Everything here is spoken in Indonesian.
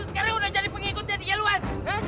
lo sekarang udah jadi pengikuti dl wan